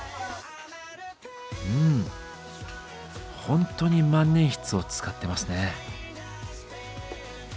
うんほんとに万年筆を使ってますね。